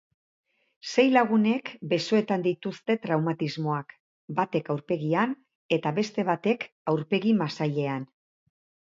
Sei lagunek besoetan dituzte traumatismoak, batek aurpegian eta beste batek aurpegi-masailean.